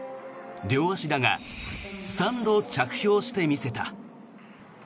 両足だが３度、着氷してみせた。